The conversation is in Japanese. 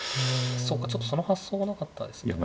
そうかちょっとその発想はなかったですね。